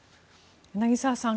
柳澤さん